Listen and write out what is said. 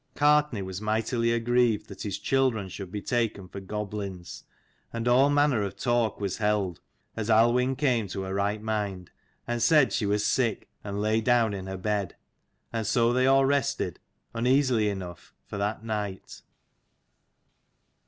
Gartnaidh was mightily aggrieved that his children should be taken for goblins, and all manner of talk was held, as Aluinn came to her right mind : and said she was sick, and lay down in her bed. And so they all rested, uneasily enough, for that night.